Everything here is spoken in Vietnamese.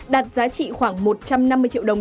đạt giá trị khoảng một trăm năm mươi triệu đồng